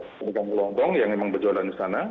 pendekas kelompong yang memang berjualan di sana